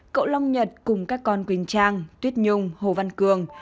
cậu long nhật cùng các con quỳnh trang tuyết nhung